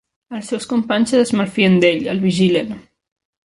Els seus companys es malfien d'ell, el vigilen.